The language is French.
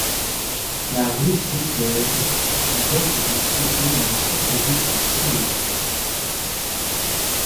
La rue Sesquières est une voie publique située dans le centre-ville de Toulouse.